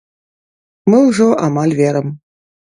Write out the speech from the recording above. Мы ўжо амаль верым.